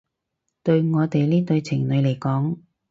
對我哋呢對情侶嚟講